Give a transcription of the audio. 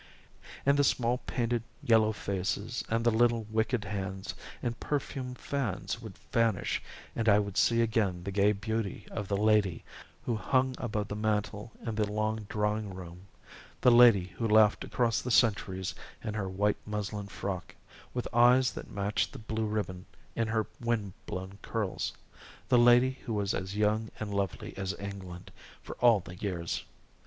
And the small painted yellow faces and the little wicked hands and perfumed fans would vanish and I would see again the gay beauty of the lady who hung above the mantel in the long drawing room, the lady who laughed across the centuries in her white muslin frock, with eyes that matched the blue ribbon in her wind blown curls the lady who was as young and lovely as England, for all the years!